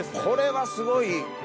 これはすごい。